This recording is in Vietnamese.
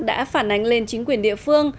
đã phản ánh lên chính quyền địa phương